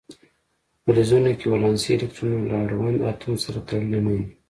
په فلزونو کې ولانسي الکترونونه له اړوند اتوم سره تړلي نه وي.